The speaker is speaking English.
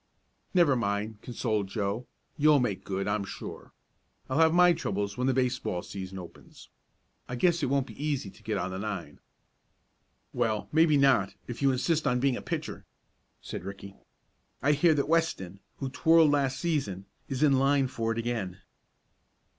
"Never mind," consoled Joe. "You'll make good, I'm sure. I'll have my troubles when the baseball season opens. I guess it won't be easy to get on the nine." "Well, maybe not, if you insist on being pitcher," said Ricky. "I hear that Weston, who twirled last season, is in line for it again."